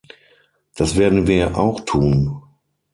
Das werden wir auch tun.